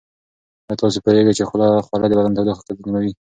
ایا تاسو پوهیږئ چې خوله د بدن تودوخه تنظیموي؟